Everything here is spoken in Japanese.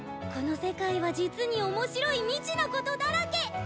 この世界は実におもしろい未知のことだらけ！